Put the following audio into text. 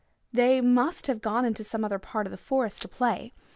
They must have gone into some other part of the forest to play.